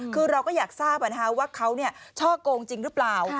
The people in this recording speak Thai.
คือเราก็อยากทราบว่าเขาช่อกงจริงหรือเปล่า